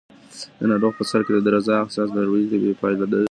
د ناروغ په سر کې د درزا احساس د لوړې تبې یوه پایله ده.